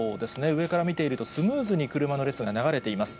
上から見ていると、スムーズに車の列が流れています。